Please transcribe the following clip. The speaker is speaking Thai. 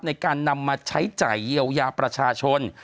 ในการนำมาใช้จ่ายเยียวยาประชาชน